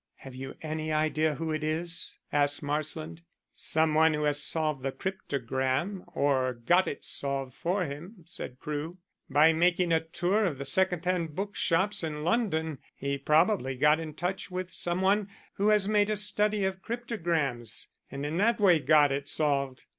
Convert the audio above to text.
"Have you any idea who it is?" asked Marsland. "Some one who has solved the cryptogram or got it solved for him," said Crewe. "By making a tour of the second hand bookshops in London he probably got in touch with some one who has made a study of cryptograms, and in that way got it solved.